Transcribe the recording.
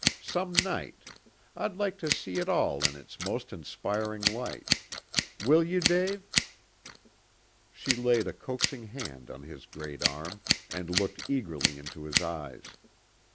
Some night. I'd like to see it all in its most inspiring light. Will you, Dave?" She laid a coaxing hand on his great arm, and looked eagerly into his eyes.